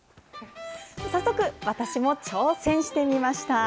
早速、私も挑戦してみました。